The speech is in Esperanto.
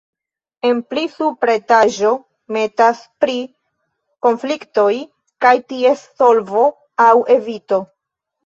En pli supra etaĝo temas pri konfliktoj kaj ties solvo aŭ evito.